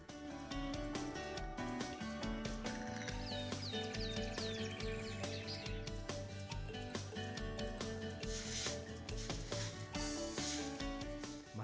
dekat dekat di desa bengkale